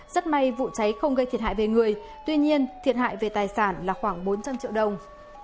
rất may vụ cháy không gây thiệt hại về người tuy nhiên thiệt hại về tài sản là khoảng bốn trăm linh triệu đồng